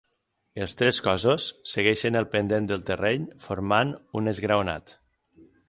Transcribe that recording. Els tres cossos segueixen el pendent del terreny formant un esgraonat.